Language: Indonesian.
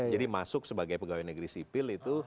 jadi masuk sebagai pegawai negeri sipil itu